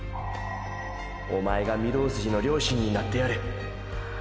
おまえが御堂筋の良心になってやれ。